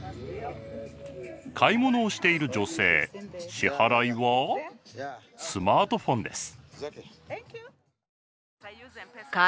買い物をしている女性支払いはスマートフォンです。